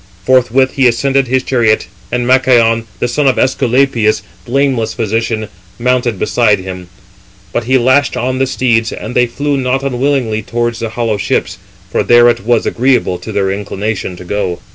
Forthwith he ascended his chariot, and Machaon, the son of Æsculapius, blameless physician, mounted beside him; but he lashed on the steeds, and they flew not unwillingly towards the hollow ships, for there it was agreeable to their inclination [to go].